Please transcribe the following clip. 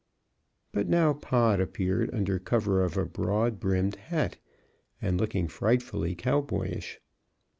But now Pod appeared under cover of a broad brimmed hat, looking frightfully cowboyish.